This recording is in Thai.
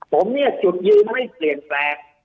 ผมเนี่ยจุดยืนไม่เปลี่ยนแปลง